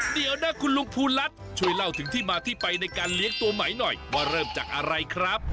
เดี๋ยวนะคุณลุงภูรัฐช่วยเล่าถึงที่มาที่ไปในการเลี้ยงตัวไหมหน่อยว่าเริ่มจากอะไรครับ